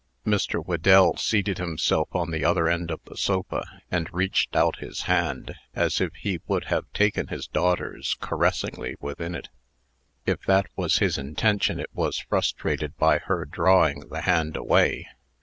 Mr. Whedell seated himself on the other end of the sofa, and reached out his hand, as if he would have taken his daughter's caressingly within it. If that was his intention, it was frustrated by her drawing the hand away.